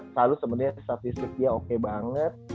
salah semen dia statistik dia oke banget